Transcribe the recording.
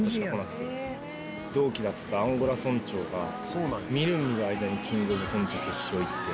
同期だったアンゴラ村長がみるみる間にキングオブコント決勝行って。